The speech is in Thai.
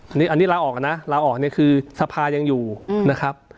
อันนี้ลาออกนะลาออกเนี่ยคือสภายังอยู่นะครับ